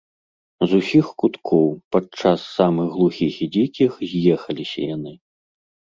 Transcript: З усіх куткоў, падчас самых глухіх і дзікіх, з'ехаліся яны.